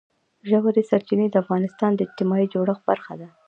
ژورې سرچینې د افغانستان د اجتماعي جوړښت برخه ده.